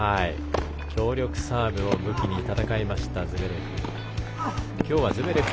強力サーブを武器に戦いましたズベレフ。